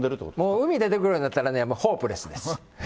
うみ出てくるようになったら、もうホープレスです。